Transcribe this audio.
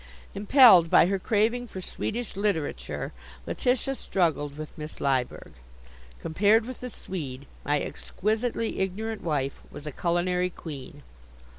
Impelled by her craving for Swedish literature, Letitia struggled with Miss Lyberg. Compared with the Swede, my exquisitely ignorant wife was a culinary queen.